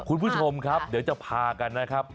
คุณผู้ชมครับเดี๋ยวจะพากันนะครับ